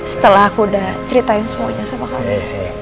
setelah aku udah ceritain semuanya sama kami